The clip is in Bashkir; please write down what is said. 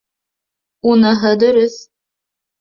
Уныһы дөрөҫ...